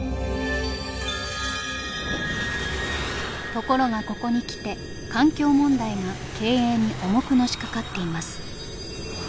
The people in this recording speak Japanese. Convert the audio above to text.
ところがここに来て環境問題が経営に重くのしかかっています。